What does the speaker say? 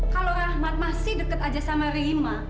kalau rahmat masih deket aja sama rima